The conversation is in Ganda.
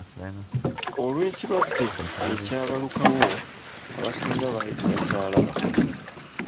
Olw'ekirwadde ekyabalukawo abasinga baali tebakyalaba.